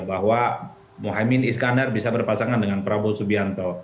bahwa mohaimin iskandar bisa berpasangan dengan prabowo subianto